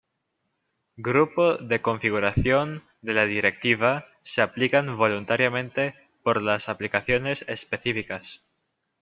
Grupo de configuración de la directiva se aplican voluntariamente por las aplicaciones específicas.